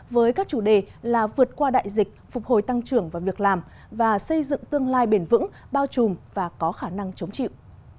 với các chủ đề là vượt qua đại dịch phục hồi tăng trưởng và việc làm và xây dựng tương lai bền vững bao trùm và có khả năng chống chịu